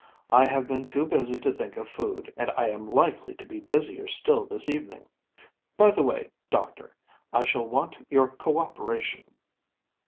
“I have been too busy to think of food, and I am likely to be busier still this evening. By the way, Doctor, I shall want your co operation.